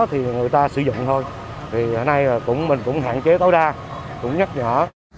thì người ta sử dụng thôi thì hiện nay mình cũng hạn chế tối đa cũng nhắc nhở